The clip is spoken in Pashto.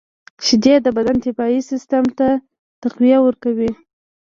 • شیدې د بدن دفاعي سیسټم ته تقویه ورکوي.